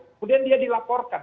kemudian dia dilaporkan